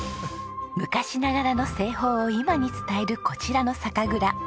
昔ながらの製法を今に伝えるこちらの酒蔵。